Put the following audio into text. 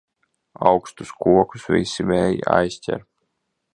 Augstus kokus visi vēji aizķer.